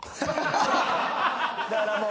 だからもう。